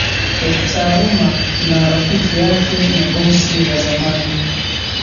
ya kitaaluma na rafiki yake na bosi wa zamani